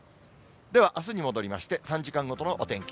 ではあすに戻りまして、３時間ごとのお天気。